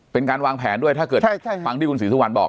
เป็นการวางแผนด้วยถ้าเกิดฟังที่คุณศรีสุวรรณบอก